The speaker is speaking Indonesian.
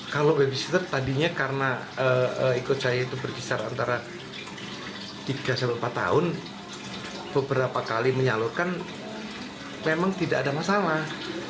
kalau babysitter tadinya karena ikut saya itu berkisar antara tiga sampai empat tahun beberapa kali menyalurkan memang tidak ada masalah